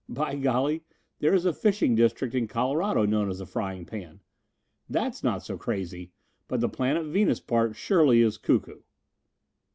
"By golly, there is a fishing district in Colorado known as the Frying Pan. That's not so crazy, but the planet Venus part surely is cuckoo."